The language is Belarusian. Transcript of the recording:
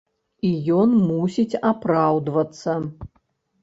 І ён мусіць апраўдвацца.